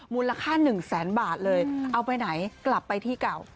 มูลค่าหนึ่งแสนบาทเลยเอาไปไหนกลับไปที่เก่า